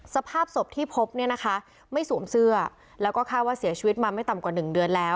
สภาพศพที่พบเนี่ยนะคะไม่สวมเสื้อแล้วก็คาดว่าเสียชีวิตมาไม่ต่ำกว่า๑เดือนแล้ว